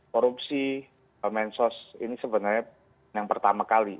korupsi mensos ini sebenarnya yang pertama kali